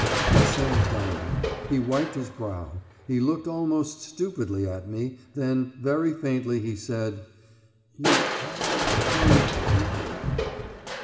He sank down he wiped his brow he looked almost stupidly at me; then, very faintly, he said: "You haven't heard anything?"